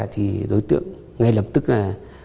thì đối tượng ngay lập tức là